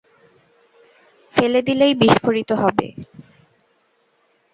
ফেলে দিলেই বিস্ফোরিত হবে?